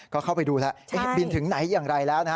ก็เข้าไปดูแล้วบินถึงไหนอย่างไรแล้วนะฮะ